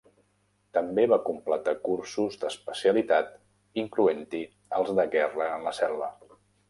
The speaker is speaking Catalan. També va completar cursos d'especialitat incloent-hi els de guerra en la selva.